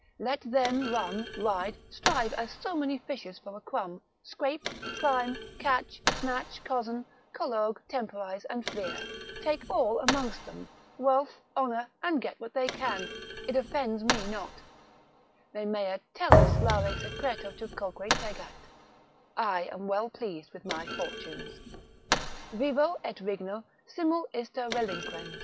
Let them run, ride, strive as so many fishes for a crumb, scrape, climb, catch, snatch, cozen, collogue, temporise and fleer, take all amongst them, wealth, honour, and get what they can, it offends me not: ———me mea tellus Lare secreto tutoque tegat, I am well pleased with my fortunes, Vivo et regno simul ista relinquens.